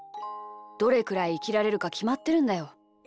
どれくらいいきられるかきまってるんだよ。